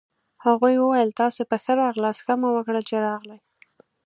هغوی وویل: تاسي په ښه راغلاست، ښه مو وکړل چي راغلئ.